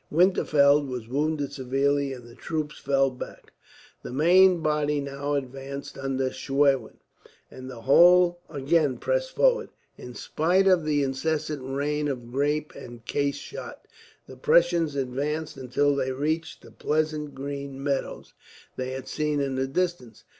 Winterfeld was wounded severely, and the troops fell back. The main body now advanced, under Schwerin, and the whole again pressed forward. In spite of the incessant rain of grape and case shot, the Prussians advanced until they reached the pleasant green meadows they had seen in the distance.